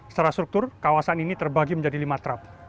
secara struktur kawasan ini terbagi menjadi lima trap